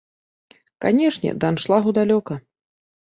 Канечне, да аншлагу далёка.